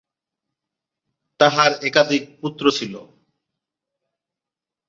তাঁহার একাধিক পুত্র ছিল।